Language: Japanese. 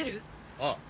ああ。